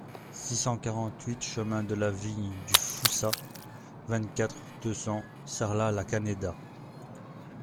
six cent quarante-huit chemin de la Vigne du Foussat, vingt-quatre, deux cents, Sarlat-la-Canéda